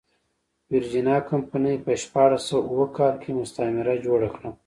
ویرجینیا کمپنۍ په شپاړس سوه اووه کال کې مستعمره جوړه کړه.